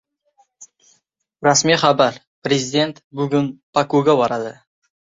Rasmiy xabar: Prezident Bokuga boradi